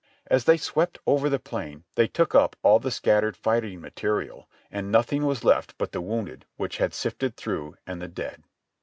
As they swept over tlie plain they took up all the scattered fighting material, and noth ing was left but the wounded which had sifted through, and the dead.